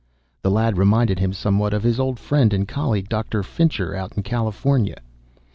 This lad reminded him somewhat of his old friend and colleague, Dr. Fincher, out in California.